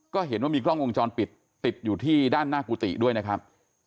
ก็เห็นว่ามีกล้องวงจรปิดติดอยู่ที่ด้านหน้ากุฏิด้วยนะครับ